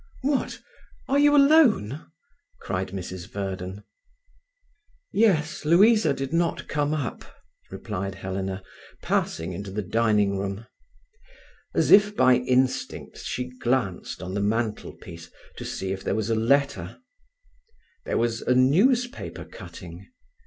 "What, are you alone?" cried Mrs. Verden. "Yes. Louisa did not come up," replied Helena, passing into the dining room. As if by instinct she glanced on the mantelpiece to see if there was a letter. There was a newspaper cutting.